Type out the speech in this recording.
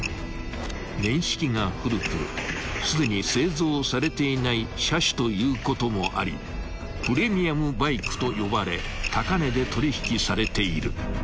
［年式が古くすでに製造されていない車種ということもありプレミアムバイクと呼ばれ高値で取引されている］